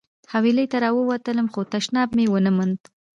حویلۍ ته راووتلم خو تشناب مې ونه موند.